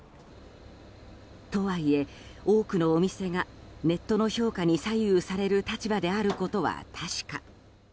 とはいえ、多くのお店がネットの評価に左右される立場であることは確か。